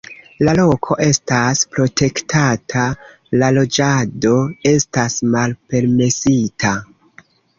La loko estas protektata, la loĝado estas malpermesita.